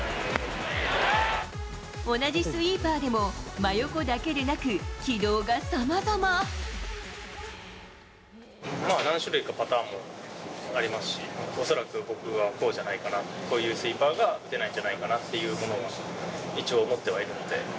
同じスイーパーでも、真横だけでなく、何種類かパターンもありますし、恐らく僕はこうじゃないかな、こういうスイーパーが打てないんじゃないかなっていうものは一応持ってはいるんで。